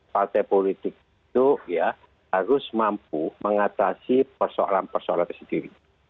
partai politik itu ya harus mampu mengatasi persoalan persoalan tersendiri